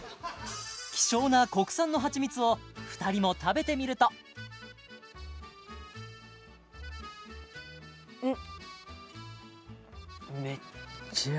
希少な国産のはちみつを２人も食べてみるとうん！